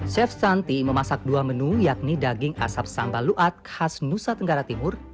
chef santi memasak dua menu yakni daging asap sambal luat khas nusa tenggara timur